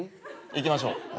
行きましょう。